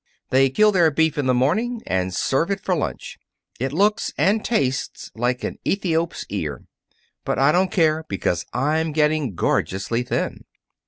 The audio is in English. They kill their beef in the morning and serve it for lunch. It looks and tastes like an Ethiop's ear. But I don't care, because I'm getting gorgeously thin.